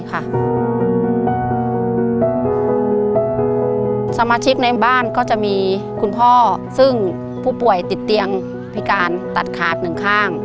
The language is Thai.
สมาชิกในบ้านก็จะมีคุณพ่อซึ่งผู้ป่วยติดเตียงพิการตัดขาดหนึ่งข้าง